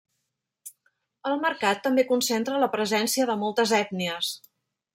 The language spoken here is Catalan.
El mercat també concentra la presència de moltes ètnies.